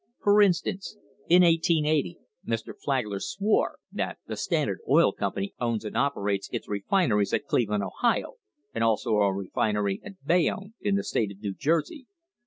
For instance, in 1880 Mr. Flagler swore that "the Standard Oil Company owns and operates its refineries at Cleveland, Ohio, and also a refin ery at Bayonne in the state of New Jersey.